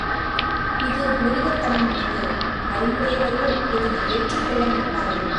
இது மிருகத்தனமானது அறிவுடையவர்கள் இதனை ஏற்றுக்கொள்ள மாட்டார்கள்.